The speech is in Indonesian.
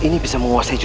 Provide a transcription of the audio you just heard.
aku akan menangkapmu